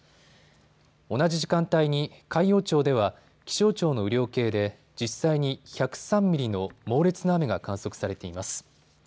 同じ時間帯に海陽町では気象庁の雨量計で実際に１０３ミリの猛烈な雨が観測されています。